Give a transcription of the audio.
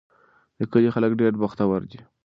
د کلي خلک ډېر بختور دي.